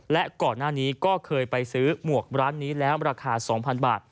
แล้วก็ไม่ได้มีส่วนมารู้เห็นกับเรื่องนี้ครับ